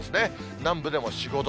南部でも４、５度。